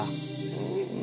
うん。